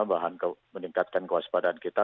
bahan meningkatkan kewaspadaan kita